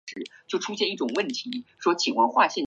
在鳃缝后面上端据一个黑色大圆斑。